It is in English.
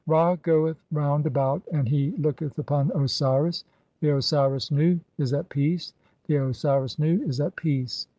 (33) Ra goeth round about and he looketh 'upon Osiris. The Osiris Nu is at peace, the Osiris Nu is at 'peace.